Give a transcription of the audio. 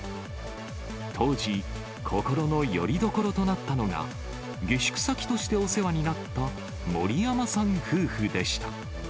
当時、心のよりどころとなったのが、下宿先としてお世話になった森山さん夫婦でした。